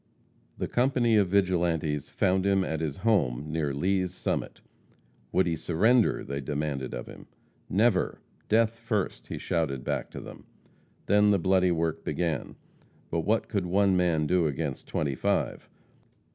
The company of vigilantes found him at his home near Lea's Summit. Would he surrender? they demanded of him. "Never! death first," he shouted back to them. Then the bloody work began. But what could one man do against twenty five?